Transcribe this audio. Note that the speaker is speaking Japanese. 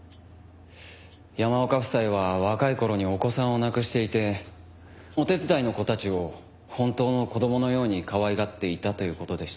山岡夫妻は若い頃にお子さんを亡くしていてお手伝いの子たちを本当の子供のようにかわいがっていたという事でした。